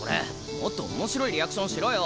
もっと面白いリアクションしろよ！